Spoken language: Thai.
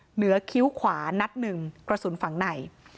คิ้วขวานัดหนึ่งกระสุนฝั่งใน